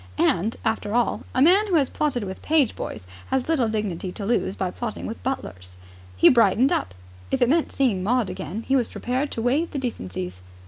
And, after all, a man who has plotted with page boys has little dignity to lose by plotting with butlers. He brightened up. If it meant seeing Maud again he was prepared to waive the decencies.